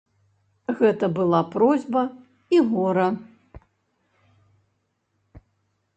Гэта была просьба і гора.